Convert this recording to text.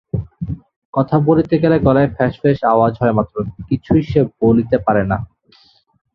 কথা বলিতে গেলে গলায় ফ্যাসফ্যাস আওয়াজ হয় মাত্র, কিছুই সে বলিতে পারে না।